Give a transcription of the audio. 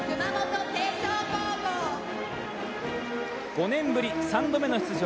５年ぶり３度目の出場。